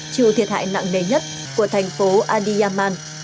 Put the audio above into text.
chịu thiệt hại nặng nề nhất của thành phố adiyaman